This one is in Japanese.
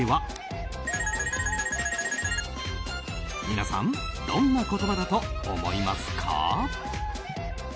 皆さんどんな言葉だと思いますか？